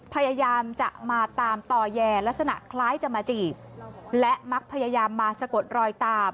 พยายามจะมาตามต่อแย่ลักษณะคล้ายจะมาจีบและมักพยายามมาสะกดรอยตาม